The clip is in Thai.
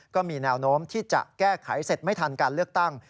ก็มีแนวโน้มที่จะแก้ไขเสร็จไม่ทันการเลือกตั้ง